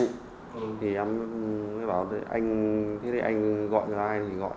anh mới bảo thế anh gọi cho ai thì gọi